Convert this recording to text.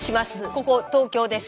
ここ東京です。